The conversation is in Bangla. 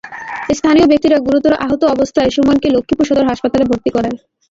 স্থানীয় ব্যক্তিরা গুরুতর আহত অবস্থায় সুমনকে লক্ষ্মীপুর সদর হাসপাতালে ভর্তি করায়।